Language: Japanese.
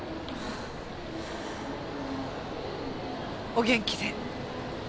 お元気で。